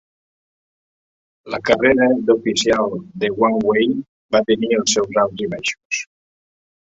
La carrera d'oficial de Wang Wei va tenir els seus alts i baixos.